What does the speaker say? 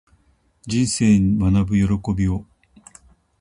人生に学ぶ喜びを